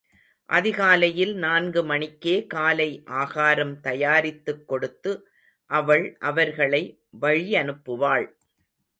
அதிகாலையில் நான்கு மணிக்கே காலை ஆகாரம் தயாரித்துக் கொடுத்து, அவள் அவர்களை வழியனுப்புவாள்.